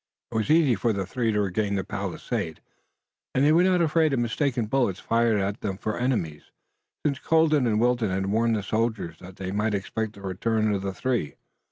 It was easy for the three to regain the palisade, and they were not afraid of mistaken bullets fired at them for enemies, since Colden and Wilton had warned the soldiers that they might expect the return of the three.